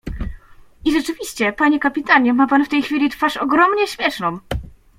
"I rzeczywiście, panie kapitanie, ma pan w tej chwili twarz ogromnie śmieszną."